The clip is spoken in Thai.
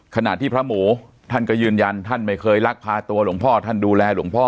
ขณะที่พระหมูท่านก็ยืนยันท่านไม่เคยลักพาตัวหลวงพ่อท่านดูแลหลวงพ่อ